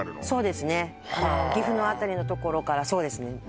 そうですねはあ岐阜の辺りのところからそうです